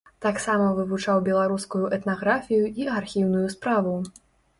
Таксама вывучаў беларускую этнаграфію і архіўную справу.